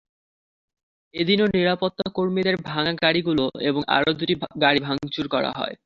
এদিনও নিরাপত্তাকর্মীদের ভাঙা গাড়িগুলো এবং আরও দুটি গাড়ি ভাঙচুর করা হয়।